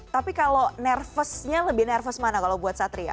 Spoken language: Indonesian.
tapi kalau nervousnya lebih nervous mana kalau buat satria